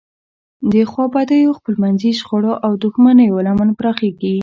د خوابدیو، خپلمنځي شخړو او دښمنیو لمن پراخیږي.